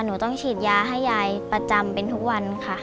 หนูต้องฉีดยาให้ยายประจำเป็นทุกวันค่ะ